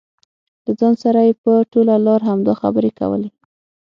له ځان سره یې په ټوله لار همدا خبرې کولې.